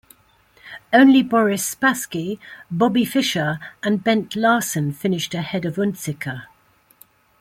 Only Boris Spassky, Bobby Fischer, and Bent Larsen finished ahead of Unzicker.